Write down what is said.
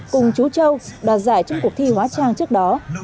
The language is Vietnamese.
cùng chú trâu đoạt giải trong cuộc thi hóa trang trước đó